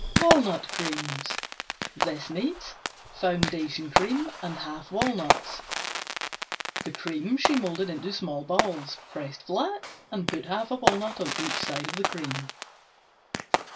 Walnut Creams Foundation cream. Half walnuts. The cream she molded into small balls, pressed flat and put half a walnut on each side of the cream.